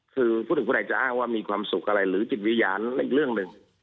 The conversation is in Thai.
คือพูดถึงผู้ใดจะอ้างว่ามีความสุขอะไรหรือจิตวิญญาณอีกเรื่องหนึ่ง